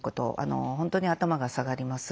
本当に頭が下がります。